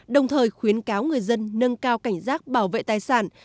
đồng thời khuyến cáo người dân nâng cao cảnh giác bảo vệ tài sản